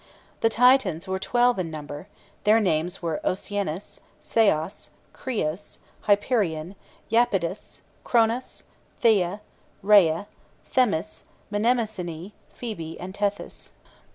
The Titans were twelve in number; their names were: Oceanus, Ceos, Crios, Hyperion, Iapetus, Cronus, Theia, Rhea, Themis, Mnemosyne, Phoebe, and Tethys.